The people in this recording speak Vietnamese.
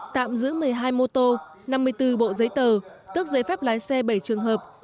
tạm giữ một mươi hai mô tô năm mươi bốn bộ giấy tờ tức giấy phép lái xe bảy trường hợp